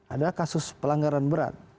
adalah kasus pelanggaran berat